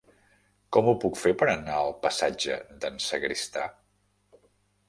Com ho puc fer per anar al passatge d'en Sagristà?